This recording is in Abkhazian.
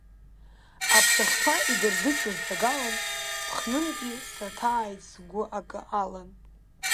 Аԥшахьқәа идырдысыз ҭагалан, ԥхынынтәи саҭааит сгәы акы алан.